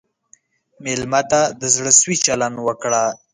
مېلمه ته د زړه سوي چلند وکړه.